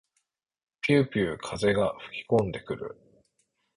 ぴゅうぴゅう風が吹きこんでくる。